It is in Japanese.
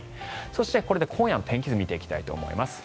そして、これで今夜の天気図を見ていきます。